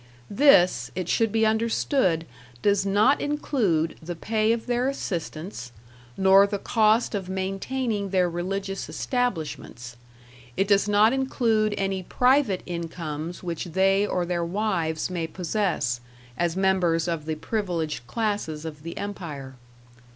This, it should be understood, does not include the pay of their assistants, nor the cost of maintaining their religious establishments; it does not include any private incomes which they or their wives may possess, as members of the privileged classes of the Empire.